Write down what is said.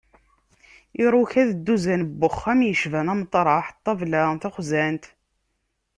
Iruka, d dduzan n wexxam yecban ameṭreḥ, ṭṭlaba, taxzant...